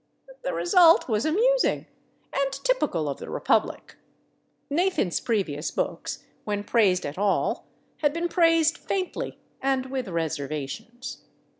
The result was amusing, and typical of the republic. Nathan's previous books, when praised at all, had been praised faintly and with reservations.